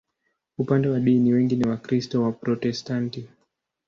Upande wa dini, wengi ni Wakristo Waprotestanti.